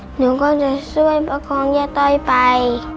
หนูก็จะช่วยประคองย่าต้อยไป